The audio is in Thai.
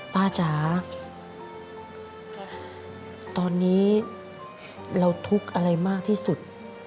จ๋าตอนนี้เราทุกข์อะไรมากที่สุด